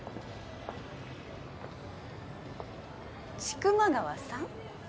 千曲川さん。